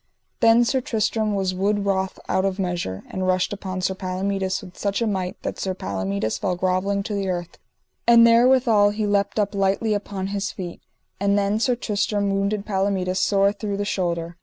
Then Sir Tristram was wood wroth out of measure, and rushed upon Sir Palomides with such a might that Sir Palomides fell grovelling to the earth; and therewithal he leapt up lightly upon his feet, and then Sir Tristram wounded Palomides sore through the shoulder.